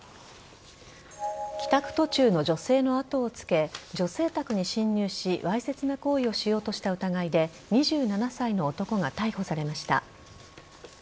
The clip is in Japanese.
帰宅途中の女性の後をつけ女性宅に侵入しわいせつな行為をしようとした疑いで２７歳の男が逮捕されました。